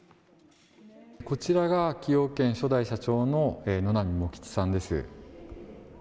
こちらが崎陽軒初代社長の野並茂吉さんです。